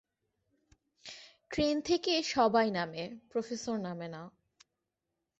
Train থেকে সবাই নামে, প্রফেসর নামেনা।